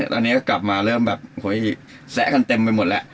ตอนนี้ก็กลับมาเริ่มแบบแซะกันเต็มไปหมดแล้ว